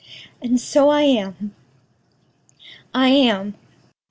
And so I am! I am!